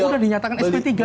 ya udah dinyatakan sp tiga saja